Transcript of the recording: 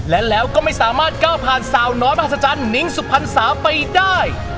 และแล้วก็ไม่สามารถก้าวผ่านสาวน้อยมหัศจรรย์นิ้งสุพรรษาไปได้